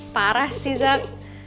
parah sih zam